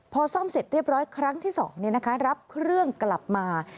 พอซ่อมเสร็จเรียบร้อยครั้งที่๒รับเครื่องกลับมา